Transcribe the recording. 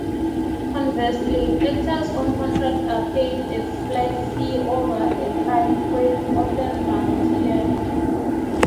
Conversely, actors on contract are paid a flat fee over a timeframe-often multi-year.